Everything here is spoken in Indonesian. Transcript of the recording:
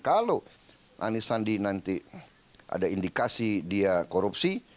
kalau anisandi nanti ada indikasi dia korupsi